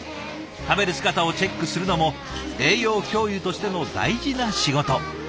食べる姿をチェックするのも栄養教諭としての大事な仕事。